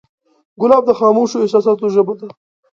ګلاب د خاموشو احساساتو ژبه ده.